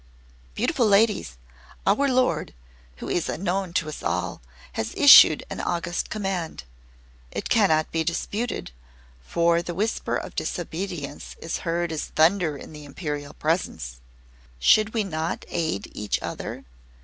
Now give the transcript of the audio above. "Beautiful ladies, our Lord, who is unknown to us all, has issued an august command. It cannot be disputed, for the whisper of disobedience is heard as thunder in the Imperial Presence. Should we not aid each other?